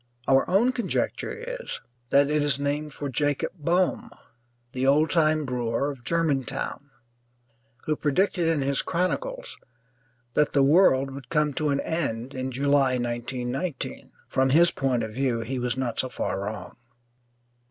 Our own conjecture is that it is named for Jacob Boehm, the oldtime brewer of Germantown, who predicted in his chronicles that the world would come to an end in July, 1919. From his point of view he was not so far wrong.